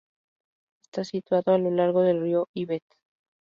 Está situada a lo largo del río Yvette.